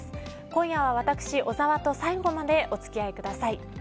今夜は私、小澤と最後までお付き合いください。